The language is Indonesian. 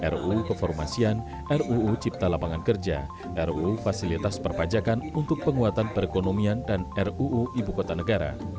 ruu keformasian ruu cipta lapangan kerja ruu fasilitas perpajakan untuk penguatan perekonomian dan ruu ibu kota negara